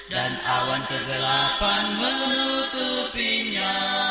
dan awan kegelapan menutupinya